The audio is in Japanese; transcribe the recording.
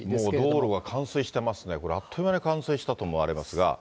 もう道路が冠水してますね、あっという間に冠水したと思われますが。